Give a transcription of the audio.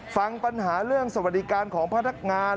ฟังปัญหาเรื่องสวัสดิการของพนักงาน